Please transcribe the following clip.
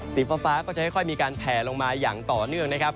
สีฟ้าก็จะค่อยมีการแผลลงมาอย่างต่อเนื่องนะครับ